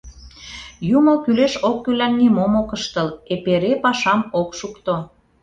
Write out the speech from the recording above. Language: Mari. Юмо кӱлеш-оккӱллан нимом ок ыштыл, эпере пашам ок шукто.